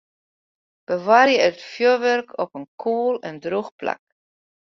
Bewarje it fjurwurk op in koel en drûch plak.